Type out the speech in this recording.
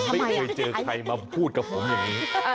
ไม่เคยเจอใครมาพูดกับผมอย่างนี้